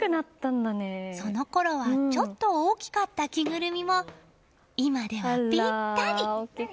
そのころはちょっと大きかった着ぐるみも今では、ぴったり！